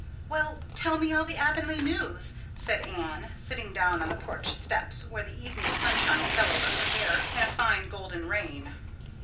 "Well, tell me all the Avonlea news," said Anne, sitting down on the porch steps, where the evening sunshine fell over her hair in a fine golden rain.